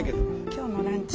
今日のランチ。